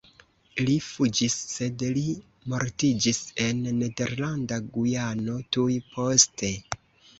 Li fuĝis, sed li mortiĝis en Nederlanda Gujano tuj poste.